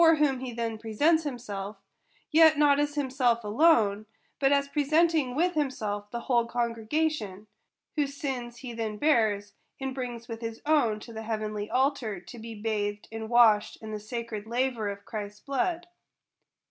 15 whom he then presents himself; yet not as himself alone, but as presenting with himself the whole congre gation ; whose sins he then bears, and brings with his own to the heavenly altar, to be bathed and washed in the sacred laver of Christ's blood.